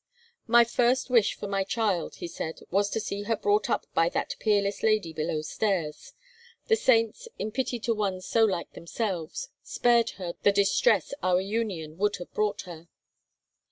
"My first wish for my child," he said, "was to see her brought up by that peerless lady below stairs. The saints—in pity to one so like themselves—spared her the distress our union would have brought her.